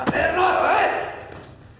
おい！